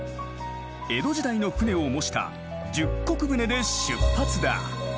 江戸時代の舟を模した十石舟で出発だ。